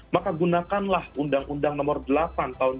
maka gunakanlah undang undang nomor delapan tahun dua ribu